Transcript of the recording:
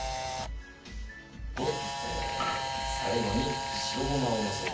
で最後に白ごまをのせて。